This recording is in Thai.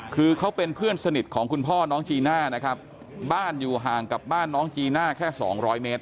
คือเขาเป็นเพื่อนสนิทของคุณพ่อน้องจีน่านะครับบ้านอยู่ห่างกับบ้านน้องจีน่าแค่สองร้อยเมตร